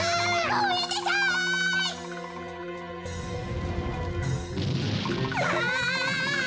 ごめんなさい！わ！